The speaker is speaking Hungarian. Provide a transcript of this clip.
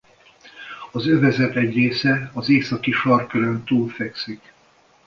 Az övezet egy része az északi sarkkörön túl fekszik.